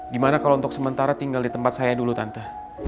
gimana kalau untuk sementara tinggal di tempat saya dulu tanta